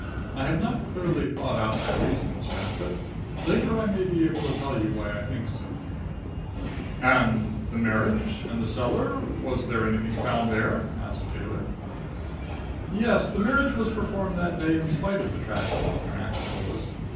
I have not clearly thought out my reasons, yet; but later I may be able to tell you why I think so." "And the marriage? And the cellar was there anything found there?" asked Taylor. "Yes, the marriage was performed that day in spite of the tragedy," Carnacki told us.